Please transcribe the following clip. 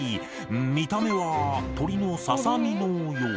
見た目は鶏のささ身のよう。